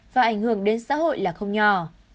và ảnh hưởng đến xã hội là không nhỏ